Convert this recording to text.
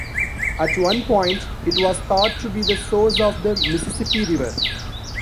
At one point it was thought to be the source of the Mississippi River.